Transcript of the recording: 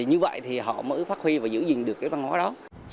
như vậy thì họ mới phát huy và giữ gìn được cái văn hóa đó